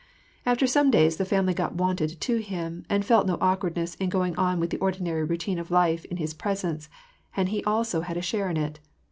After some days the family got wonted to him, and felt no awkwardness in going on with the ordinary routine of life in his presence, and he also had a share in it.